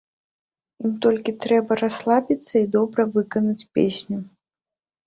Ім толькі трэба расслабіцца і добра выканаць песню.